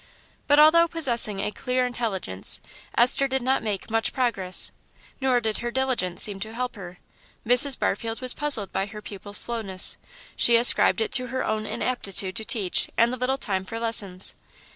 But although possessing a clear intelligence, Esther did not make much progress, nor did her diligence seem to help her. Mrs. Barfield was puzzled by her pupil's slowness; she ascribed it to her own inaptitude to teach and the little time for lessons.